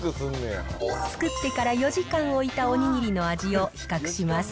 作ってから４時間置いたお握りの味を比較します。